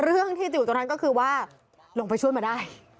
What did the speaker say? เรื่องที่จะอยู่ตรงนั้นก็คือว่าลงไปช่วยมาได้